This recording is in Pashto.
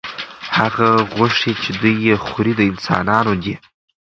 هغه غوښې چې دوی یې خوري، د انسانانو دي.